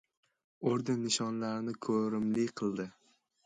Orden-nishonlarini ko‘rimli qildi.